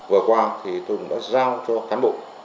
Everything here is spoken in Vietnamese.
vừa qua tôi cũng đã giao cho cán bộ